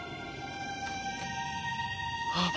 あっ！